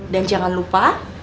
dan jangan lupa